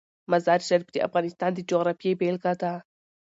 مزارشریف د افغانستان د جغرافیې بېلګه ده.